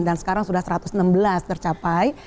dan sekarang sudah satu ratus enam belas tercapai